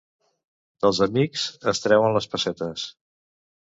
Dels amics es treuen les pessetes.